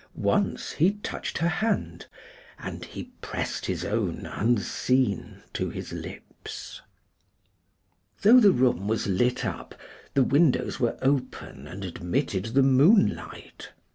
Once he touched her hand, and he pressed his own, unseen, to his lips. Though the room was lit up, the windows were open and admitted the moonlight.